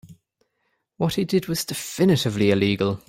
What he did was definitively illegal.